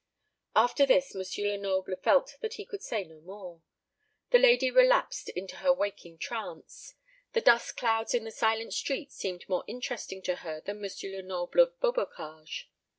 After this M. Lenoble felt that he could say no more. The lady relapsed into her waking trance. The dust clouds in the silent street seemed more interesting to her than M. Lenoble of Beaubocage.